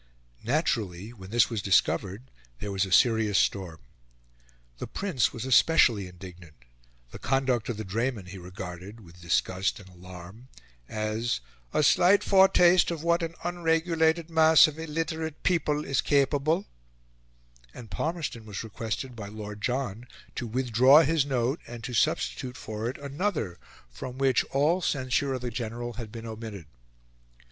Naturally, when this was discovered, there was a serious storm. The Prince was especially indignant; the conduct of the draymen he regarded, with disgust and alarm, as "a slight foretaste of what an unregulated mass of illiterate people is capable;" and Palmerston was requested by Lord John to withdraw his note, and to substitute for it another from which all censure of the General had been omitted.